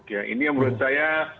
ya ini menurut saya